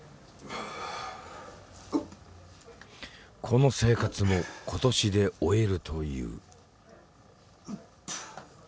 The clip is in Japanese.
この生活も今年で終えるという。